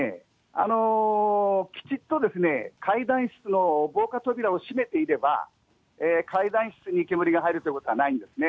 きちっと階段室の防火扉を閉めていれば、階段室に煙が入ることはないんですね。